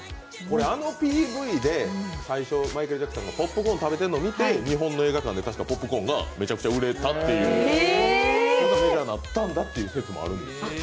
あのＰＶで最初、マイケル・ジャクソンがポップコーン食べてるのを見て日本の映画館で確かポップコーンがめちゃくちゃ売れてメジャーになったっていう説があるんです。